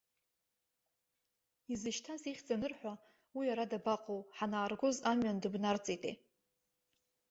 Изышьҭаз ихьӡ анырҳәа, уи ара дабаҟоу, ҳанааргоз амҩан дыбнарҵеитеи.